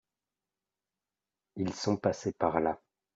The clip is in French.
Ils sont passés par là.